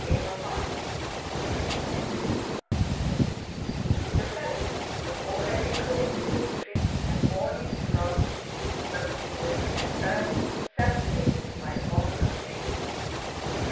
CHAPTER III The weather was already growing wintry and morning frosts congealed an earth saturated by autumn rains.